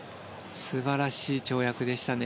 素晴らしい跳躍でしたね。